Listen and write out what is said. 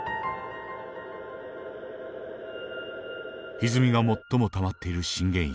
ひずみが最もたまっている震源域。